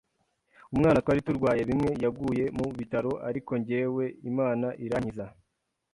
Umwana twari turwaye bimwe yaguye mu bitaro ariko jyewe Imana irankiza